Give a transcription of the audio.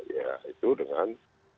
ya itu dengan